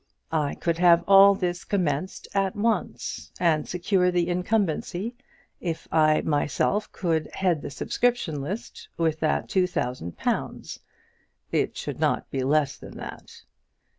I could have all this commenced at once, and secure the incumbency, if I could myself head the subscription list with two thousand pounds. It should not be less than that.